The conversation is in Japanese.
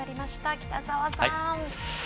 北澤さん。